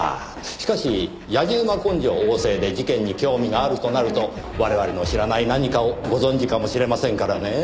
しかしやじ馬根性旺盛で事件に興味があるとなると我々の知らない何かをご存じかもしれませんからねぇ。